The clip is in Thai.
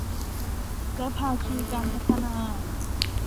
และภาคีการพัฒนา